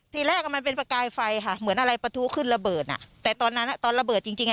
ทีแรกมันเป็นประกายไฟค่ะเหมือนอะไรประทุขึ้นระเบิดอ่ะแต่ตอนนั้นอ่ะตอนระเบิดจริงจริงอ่ะ